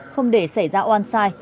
không để xảy ra oan sai